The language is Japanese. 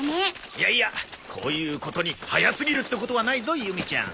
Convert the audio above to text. いやいやこういうことに早すぎるってことはないぞユミちゃん。